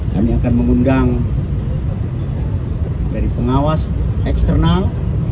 kami akan mengundang dari pengawas eksternal